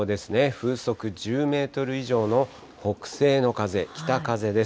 風速１０メートル以上の北西の風、北風です。